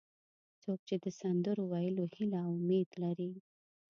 څوک چې د سندرو ویلو هیله او امید لري.